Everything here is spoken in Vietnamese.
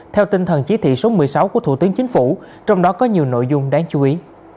theo tinh thần chỉ thị số một mươi sáu của thủ tướng chính phủ trong đó có nhiều nội dung đáng chú ý